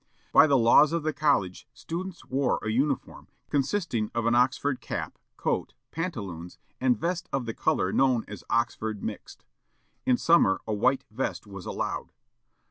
By the laws of the college, students wore a uniform, consisting of an Oxford cap, coat, pantaloons, and vest of the color known as "Oxford mixed." In summer a white vest was allowed.